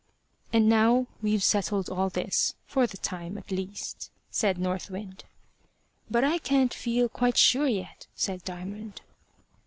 "And now we've settled all this for the time, at least," said North Wind. "But I can't feel quite sure yet," said Diamond.